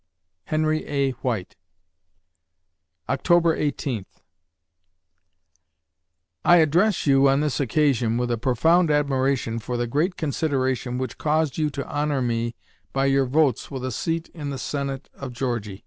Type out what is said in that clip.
HENRY A. WHITE October Eighteenth I address you on this occasion with a profound admiration for the great consideration which caused you to honor me by your votes with a seat in the Senate of Georgy.